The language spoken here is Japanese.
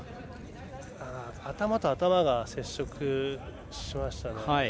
頭と頭が接触しましたね。